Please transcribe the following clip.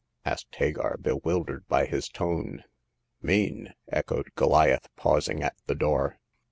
asked Hagar, bewil dered by his tone. Mean !" echoed Goliath, pausing at the door.